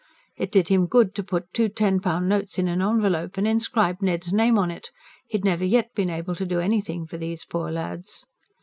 It did him good to put two ten pound notes in an envelope and inscribe Ned's name on it; he had never yet been able to do anything for these poor lads.